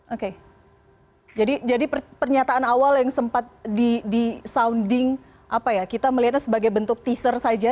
oke jadi pernyataan awal yang sempat di sounding apa ya kita melihatnya sebagai bentuk teaser saja